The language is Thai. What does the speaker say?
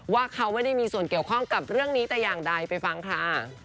ว่าเขาไม่ได้มีส่วนเกี่ยวข้องกับเรื่องนี้แต่อย่างใดไปฟังค่ะ